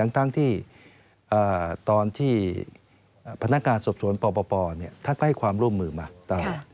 ทั้งที่ตอนที่พนักงานสอบสวนปปท่านก็ให้ความร่วมมือมาตลอด